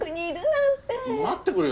待ってくれよ